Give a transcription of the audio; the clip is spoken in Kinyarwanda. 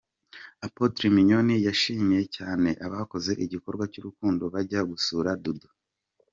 Apotre Mignone yashimiye cyane abakoze igikorwa cy'urukundo bakajya gusura Dudu.